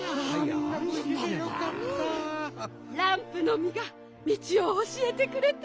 ランプのみがみちをおしえてくれて。